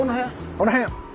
この辺。